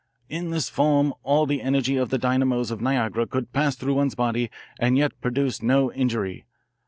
In this form all the energy of all the dynamos of Niagara could pass through one's body and yet produce no injury.